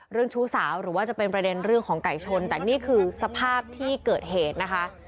ชู้สาวหรือว่าจะเป็นประเด็นเรื่องของไก่ชนแต่นี่คือสภาพที่เกิดเหตุนะคะ